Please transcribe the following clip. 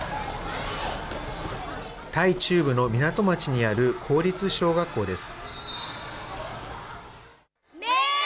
タイ中部の港町にある公立小学校です。